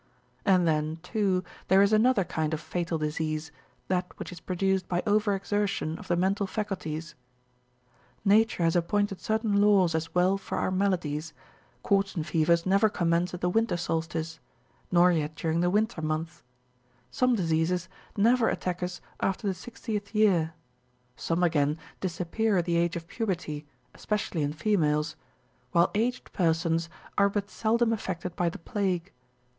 And then, too, there is another kind of fatal disease, that which is produced by over exertion of the mental faculties.®" Nature has appointed certain laws as well for our maladies ; quartan fevers never commence at the winter solstice, nor yet during the winter months ; some diseases never attack us after the sixtieth year ; some again disappear at the age of puberty, especially in females ;®^ while aged persons are but seldom affected by the plague.